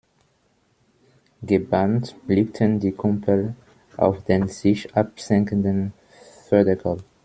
Gebannt blickten die Kumpel auf den sich absenkenden Förderkorb.